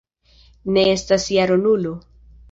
Ne estas jaro Nulo.